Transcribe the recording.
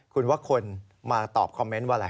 คุณว่าคนมาตอบคอมเมนต์ว่าอะไร